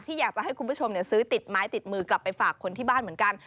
อยากจะให้คุณผู้ชมซื้อติดไม้ติดมือกลับไปฝากคนที่บ้านเหมือนกัน